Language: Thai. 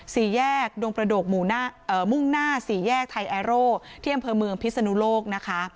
สี่แยกดงประโดกมุ่งหน้าสี่แยกไทยแอร์โร่ที่อำเภอเมืองพิศนุโลกนะคะ